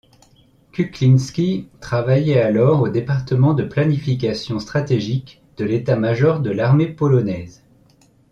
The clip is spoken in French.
Kuklinski, travaillait alors au département de planification stratégique de l’état major de l’armée polonaise.